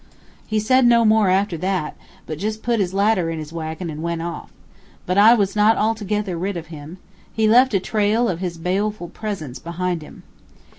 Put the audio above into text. He said no more after that, but just put his ladder in his wagon, and went off. But I was not altogether rid of him. He left a trail of his baleful presence behind him.